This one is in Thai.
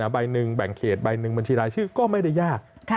ใบหนึ่งแบ่งเขตใบหนึ่งบัญชีรายชื่อก็ไม่ได้ยาก